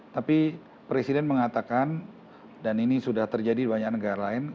tapi presiden mengatakan dan ini sudah terjadi di banyak negara lain